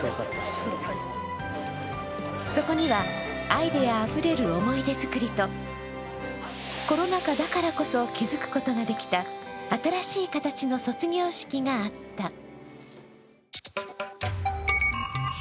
そこには、アイデアあふれる思い出作りとコロナ禍だからこそ気づくことができた新しい形の卒業式があった。